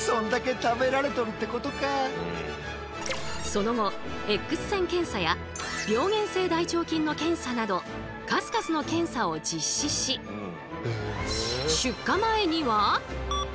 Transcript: その後Ｘ線検査や病原性大腸菌の検査など数々の検査を実施しおい！